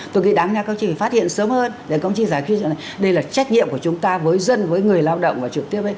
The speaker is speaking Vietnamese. tôi nghĩ đáng nha các ông chí phải phát hiện sớm hơn để các ông chí giải quyết cho nên đây là trách nhiệm của chúng ta với dân với người lao động và trực tiếp